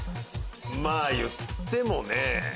まぁ言ってもねぇ。